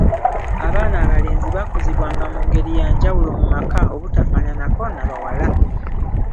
Abaana abalenzi baakuzibwanga mu ngeri ya njawulo mu maka obutafaananako na bawala.